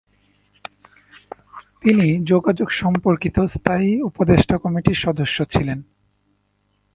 তিনি যোগাযোগ সম্পর্কিত স্থায়ী উপদেষ্টা কমিটির সদস্য ছিলেন।